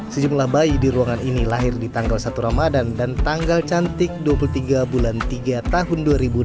sejumlah bayi di ruangan ini lahir di tanggal satu ramadan dan tanggal cantik dua puluh tiga bulan tiga tahun dua ribu dua puluh